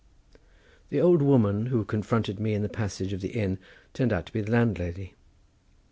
The old woman who confronted me in the passage of the inn turned out to be the landlady.